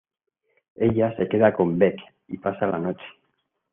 Ella se queda con Bec y pasa la noche.